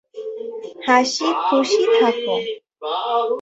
হাসি খুশি থাকো।